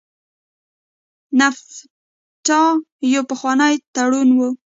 نفټا یو پخوانی تړون و.